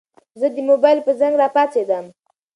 زه د موبايل په زنګ راپاڅېدم.